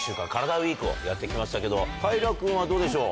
ＷＥＥＫをやって来ましたけど平君はどうでしょう？